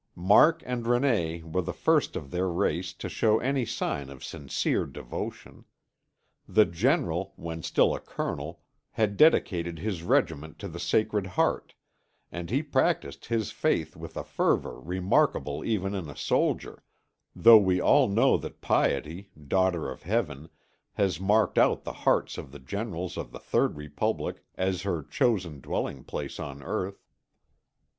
Mark and René were the first of their race to show any sign of sincere devotion. The General, when still a colonel, had dedicated his regiment to the Sacred Heart, and he practised his faith with a fervour remarkable even in a soldier, though we all know that piety, daughter of Heaven, has marked out the hearts of the generals of the Third Republic as her chosen dwelling place on earth.